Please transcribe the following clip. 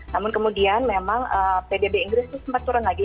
namun kemudian memang pdb inggris itu sempat turun lagi